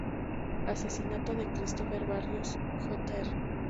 Asesinato de Christopher Barrios Jr.